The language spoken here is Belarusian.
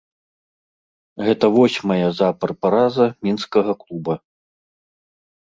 Гэтая восьмая запар параза мінскага клуба.